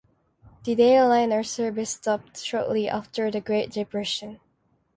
The day-liner service stopped shortly after the great depression.